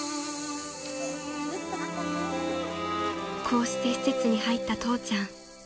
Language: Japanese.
［こうして施設に入った父ちゃん］